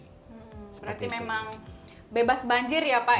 berarti memang bebas banjir ya pak